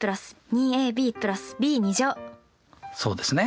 そうですね。